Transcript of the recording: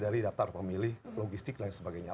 dari pengantar pemilih logistik dan lain sebagainya